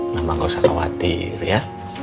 memang gak usah khawatir ya